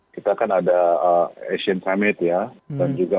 kita akan ada asian climate ya